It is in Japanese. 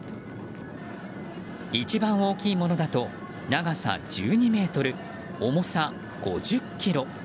一番大きいものだと長さ１２ｍ、重さ５０ｋｇ。